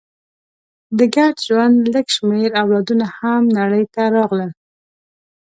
د ګډ ژوند لږ شمېر اولادونه هم نړۍ ته راغلل.